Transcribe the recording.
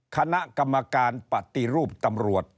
คณะกรรมการปฏิรูปตำรวจ